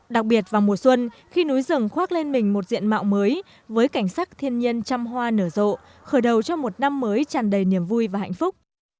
đặc biệt vào mùa xuân khi núi rừng khoác lên mình một diện mạo mới với cảnh sắc thiên nhiên trăm hoa nở rộ khởi đầu cho một năm mới tràn đầy niềm vui và hạnh phúc